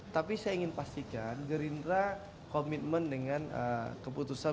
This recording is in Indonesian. tapi saya ingin pastikan gerindra komitmen dengan keputusan